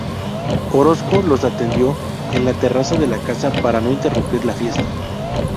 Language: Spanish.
Orozco los atendió en la terraza de la casa para no interrumpir la fiesta.